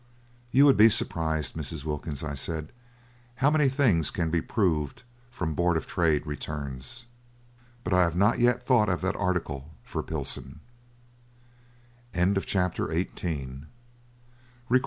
"You would be surprised, Mrs. Wilkins," I said, "how many things can be proved from Board of Trade Returns!" But I have not yet thought of that article for Pilson. SHALL WE BE RUINED BY CHINESE CHEAP LABOUR?